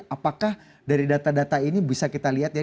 apakah dari data data ini bisa kita lihat ya